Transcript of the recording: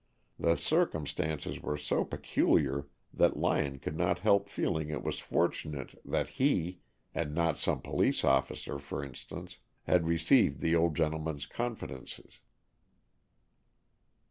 The circumstances were so peculiar that Lyon could not help feeling it was fortunate that he, and not some police officer for instance, had received the old gentleman's confidences.